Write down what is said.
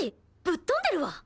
ぶっ飛んでるわ！